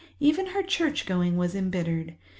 Even her church going was embittered.